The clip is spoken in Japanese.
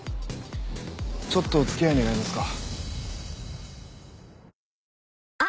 ちょっとお付き合い願えますか？